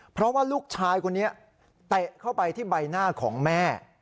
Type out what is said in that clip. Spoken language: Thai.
เพราะว่าลูกชายคนนี้เตะเข้าไปที่ใบหน้าของแม่